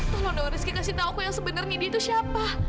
tolong doang rizky kasih tau aku yang sebenernya dia itu siapa